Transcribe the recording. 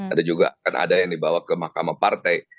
ada juga yang dibawa ke mahkamah partai